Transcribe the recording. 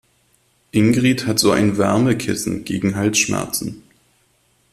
Ingrid hat so ein Wärmekissen gegen Halsschmerzen.